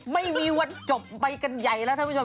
ไม่มีวันจบไปกันใหญ่แล้วท่านผู้ชม